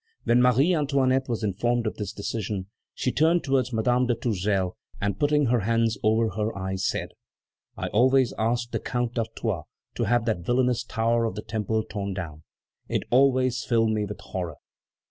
When Marie Antoinette was informed of this decision, she turned toward Madame de Tourzel, and putting her hands over her eyes, said: "I always asked the Count d'Artois to have that villanous tower of the Temple torn down; it always filled me with horror!"